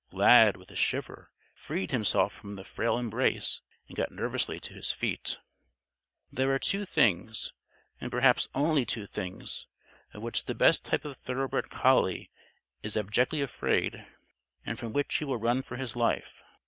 Lad, with a shiver, freed himself from the frail embrace and got nervously to his feet. There are two things and perhaps only two things of which the best type of thoroughbred collie is abjectly afraid and from which he will run for his life.